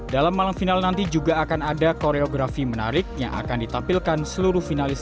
dalam malam final nanti juga akan ada koreografi menarik yang akan ditampilkan seluruh finalis